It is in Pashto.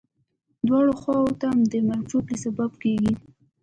دواړو خواوو ته د مرګ ژوبلې سبب کېږي.